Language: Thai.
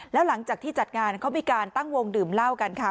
แล้วหลังจากที่จัดงานเขามีการตั้งวงดื่มเหล้ากันค่ะ